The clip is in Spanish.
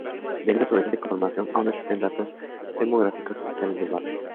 Debido a su reciente conformación, aún no existen datos demográficos oficiales del barrio.